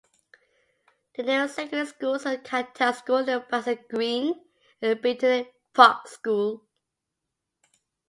The nearest secondary schools are Cantell School in Bassett Green, and Bitterne Park School.